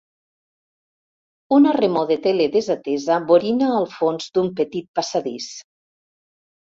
Una remor de tele desatesa borina al fons d'un petit passadís.